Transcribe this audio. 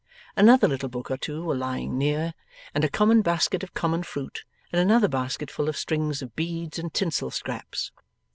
Another little book or two were lying near, and a common basket of common fruit, and another basket full of strings of beads and tinsel scraps.